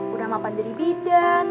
udah mapan dari bidan